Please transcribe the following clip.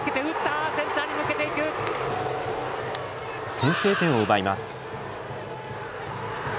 先制点を奪います。